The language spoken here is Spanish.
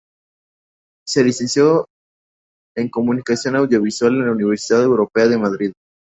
Se licenció en Comunicación Audiovisual en la Universidad Europea de Madrid.